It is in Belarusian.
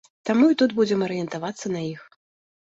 Таму і тут будзем арыентавацца на іх.